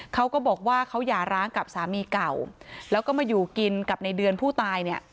เขาก็บอกว่าเขาหย่าร้างกับสามีเก่าแล้วก็มาอยู่กินกับในเดือนผู้ตายเนี่ย